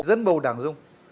dân bầu đảng dung